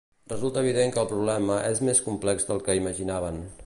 Resulta evident que el problema és més complex del que imaginaven.